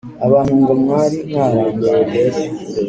abantu ngo mwari mwarangaye